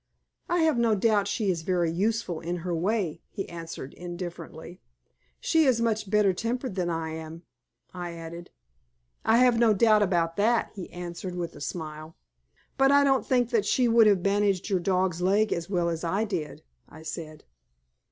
"I have no doubt she is very useful in her way," he answered, indifferently. "She is much better tempered than I am," I added. "I have no doubt about that," he answered, with a smile. "But I don't think that she could have bandaged your dog's leg as well as I did," I said.